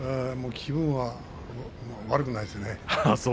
気分は悪くないですよね。